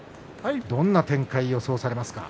どんな展開を予想されますか。